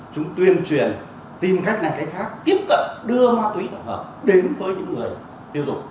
chúng tuyên truyền tìm cách này cách khác tiếp cận đưa ma túy tổng hợp đến với những người tiêu dùng